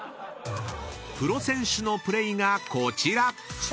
［プロ選手のプレーがこちら］